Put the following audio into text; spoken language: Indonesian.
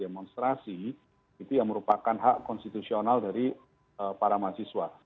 demonstrasi itu yang merupakan hak konstitusional dari para mahasiswa